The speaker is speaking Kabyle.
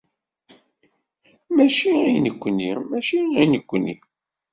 Mačči i nekkni, mačči i nekkni!